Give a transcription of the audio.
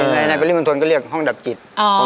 ในปริมณฑลก็เรียกห้องดับจิต